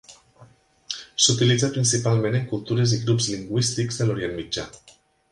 S'utilitza principalment en cultures i grups lingüístics de l'Orient Mitjà.